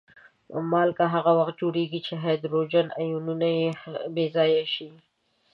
مالګه هغه وخت جوړیږي چې هایدروجن آیونونه بې ځایه شي.